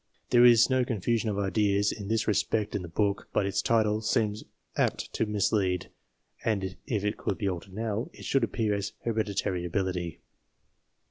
There is no confusion of ideas in this respect in the book, but its title seems apt to mislead, and if it could be altered now, it should appear as Hereditary Ability.